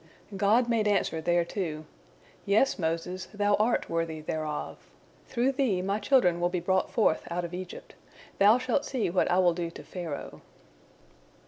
God made answer thereto: "Yes, Moses, thou art worthy thereof. Through thee My children will be brought forth out of Egypt. Thou shalt see what I will do to Pharaoh."